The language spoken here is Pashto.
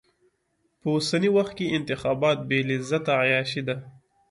په اوسني وخت کې انتخابات بې لذته عياشي ده.